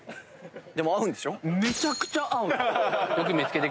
でも合うんでしょ？よしっ！